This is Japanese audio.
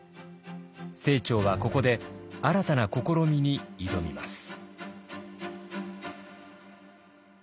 清張はここで新たな試みに挑みます。